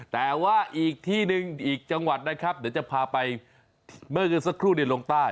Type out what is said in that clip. แต่ว่าอีกที่หนึ่งอีกจังหวัดนะครับเดี๋ยวจะพาไปเมื่อสักครู่ลงใต้